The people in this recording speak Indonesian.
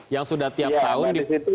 yang sudah tiap tahun